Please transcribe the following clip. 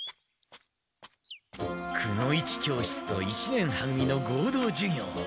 くの一教室と一年は組の合同授業。